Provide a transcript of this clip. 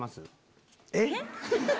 えっ？